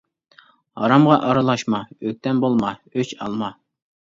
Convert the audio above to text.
ھارامغا ئارىلاشما، ئۆكتەم بولما، ئۆچ ئالما.